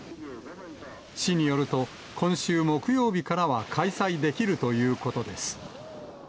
市によると、今週木曜日からは開催できるということです。